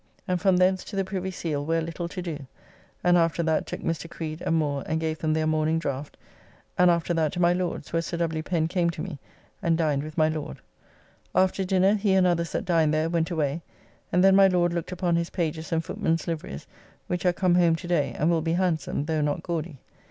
And from thence to the Privy Seal, where little to do, and after that took Mr. Creed and Moore and gave them their morning draught, and after that to my Lord's, where Sir W. Pen came to me, and dined with my Lord. After dinner he and others that dined there went away, and then my Lord looked upon his pages' and footmen's liverys, which are come home to day, and will be handsome, though not gaudy.